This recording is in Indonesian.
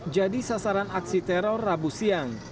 jadi sasaran aksi teror rabu siang